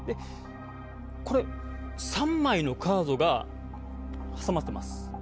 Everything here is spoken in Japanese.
これ、３枚のカードが挟まってます。